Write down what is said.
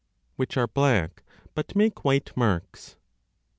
l which are black but make white marks.